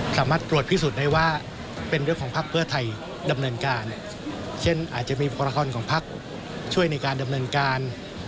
สามารถตรวจพิสูจน์ได้ว่าเป็นเรื่องของภักดิ์เพื่อไทยดำเนินการ